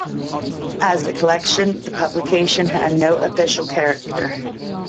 As a collection the publication had no official character.